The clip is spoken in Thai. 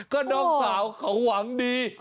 ก็น้องสาวเขาหวังดี